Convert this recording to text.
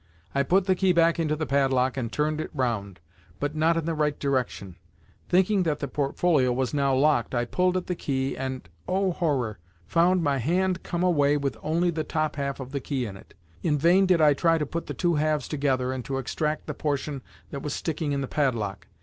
I put the key back into the padlock and turned it round, but not in the right direction. Thinking that the portfolio was now locked, I pulled at the key and, oh horror! found my hand come away with only the top half of the key in it! In vain did I try to put the two halves together, and to extract the portion that was sticking in the padlock.